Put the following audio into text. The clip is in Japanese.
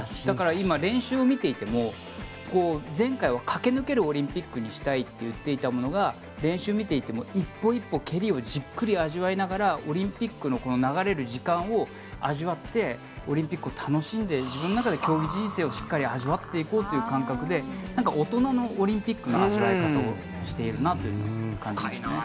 だから今、練習を見ていても前回は駆け抜けるオリンピックにしたいと言っていたものが練習を見ていても１歩１歩蹴りをじっくり味わいながらオリンピックの流れる時間を味わってオリンピックを楽しんで自分の中で競技人生をしっかり味わっていこうという感覚で大人のオリンピックの味わい方をしているなという感じです。